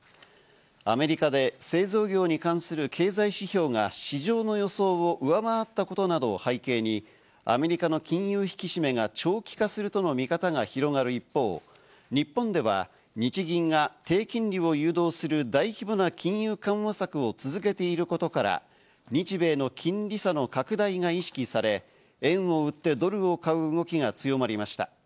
アメリカで製造業に関する経済指標が市場の予想を上回ったことなどを背景にアメリカの金融引き締めが長期化するとの見方が広がる一方、日本では日銀が低金利を誘導する大規模な金融緩和策を続けていることから、日米の金利差の拡大が意識され、円を売ってドルを買う動きが強まりました。